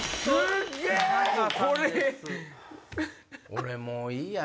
俺もういいや。